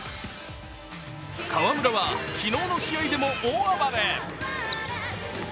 河村は昨日の試合でも大暴れ。